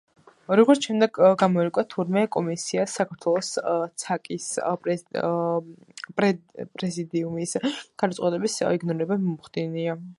როგორც შემდეგ გამოირკვა, თურმე კომისიას საქართველოს ცაკ-ის პრეზიდიუმის გადაწყვეტილების იგნორირება მოუხდენია.